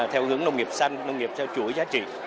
theo hướng nông nghiệp xanh nông nghiệp theo chuỗi giá trị